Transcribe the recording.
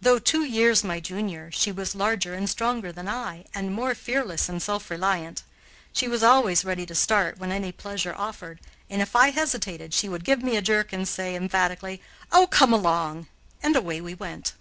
Though two years my junior, she was larger and stronger than I and more fearless and self reliant. She was always ready to start when any pleasure offered, and, if I hesitated, she would give me a jerk and say, emphatically: "Oh, come along!" and away we went.